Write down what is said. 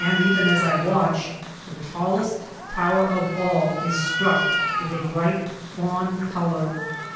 even as I watch the tallest tower of all is struck with a bright fawn color.